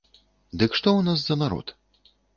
Дык што ў нас за народ?